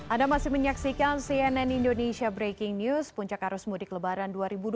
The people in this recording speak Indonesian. anda masih menyaksikan cnn indonesia breaking news puncak arus mudik lebaran dua ribu dua puluh